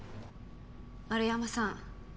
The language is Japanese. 円山さん